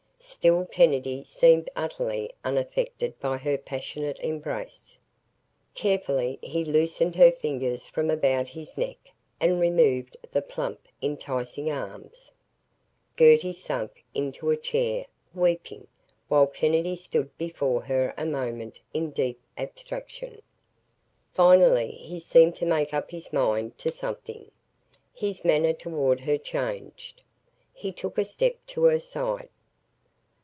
Still Kennedy seemed utterly unaffected by her passionate embrace. Carefully he loosened her fingers from about his neck and removed the plump, enticing arms. Gertie sank into a chair, weeping, while Kennedy stood before her a moment in deep abstraction. Finally he seemed to make up his mind to something. His manner toward her changed. He took a step to her side.